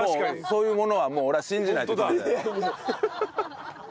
そういうものはもう俺は信じないと決めたよ。